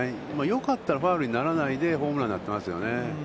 よかったらファウルにならないで、ホームランになってますよね。